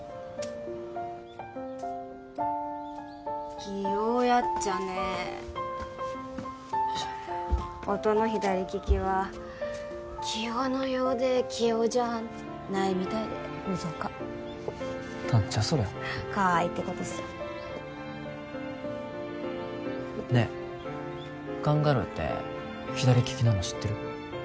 器用やっちゃね音の左利きは器用のようで器用じゃないみたいでむぞか何じゃそりゃかわいいってことっさねえカンガルーって左利きなの知ってる？